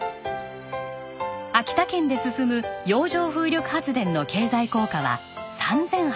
秋田県で進む洋上風力発電の経済効果は３８００億円。